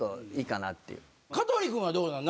香取君はどうなの？